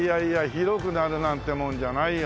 広くなるなんてもんじゃないよ。